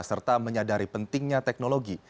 serta menyadari pentingnya teknologi